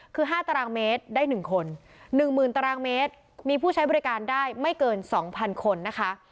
คือ๕ตารางเมตรได้๑คน๑๐๐๐ตารางเมตรมีผู้ใช้บริการได้ไม่เกิน๒๐๐คนนะคะ